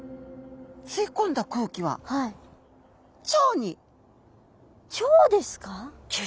吸い込んだ空気は腸ですか？